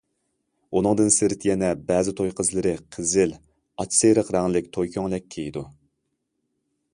ئۇنىڭدىن سىرت يەنە بەزى توي قىزلىرى قىزىل، ئاچ سېرىق رەڭلىك توي كۆڭلەك كىيىدۇ.